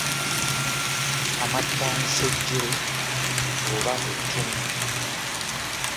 Amattansejjere oba ettumbi.